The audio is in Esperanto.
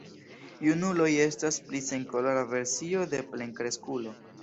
Junuloj estas pli senkolora versio de plenkreskulo.